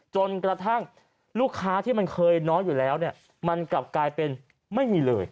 จนกระทั่งลูกค้าที่มันเคยน้อยอยู่แล้วเนี่ยมันกลับกลายเป็นไม่มีเลย